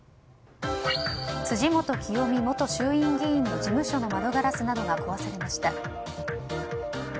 辻元清美元衆院議員の事務所の窓ガラスなどが壊されました。